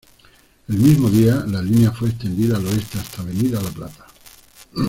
El mismo día, la línea fue extendida al oeste hasta Avenida La Plata.